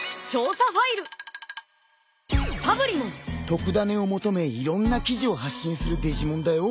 特ダネを求めいろんな記事を発信するデジモンだよ。